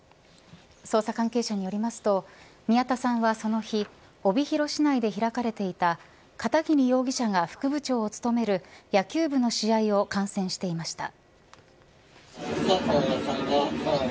捜査関係者によりますと宮田さんは、その日帯広市内で開かれていた片桐容疑者が副部長を務める野球部の試合を観戦していました。